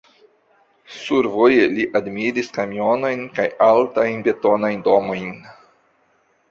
Survoje li admiris kamionojn kaj altajn betonajn domojn.